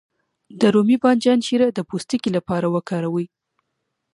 د رومي بانجان شیره د پوستکي لپاره وکاروئ